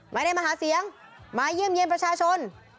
ไม่ได้มาหาเสียงมาเยี่ยมเยี่ยมประชาชน